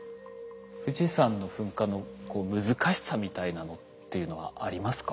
富士山の噴火の難しさみたいなのっていうのはありますか？